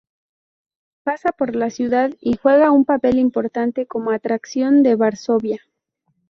Pasa por la ciudad y juega un papel importante como atracción de Varsovia.